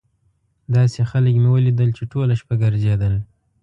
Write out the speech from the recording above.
داسې خلک مې ولیدل چې ټوله شپه ګرځېدل.